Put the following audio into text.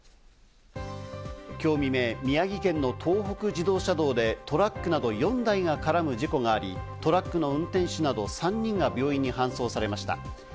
今日未明、宮城県の東北自動車道でトラックなど４台が絡む事故があり、トラックの運転手など３人が病院に搬送されました。